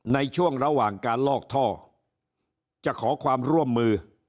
ในช่วงระหว่างการลอกท่อจะขอความร่วมมือ